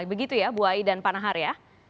begitu ya bu aya dan panahar ya